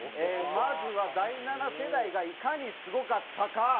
まずは第七世代がいかにすごかったか。